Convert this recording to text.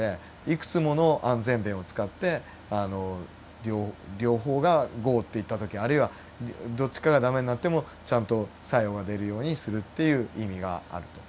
いくつもの安全弁を使って両方がゴーっていった時あるいはどっちかが駄目になってもちゃんと作用が出るようにするっていう意味があると。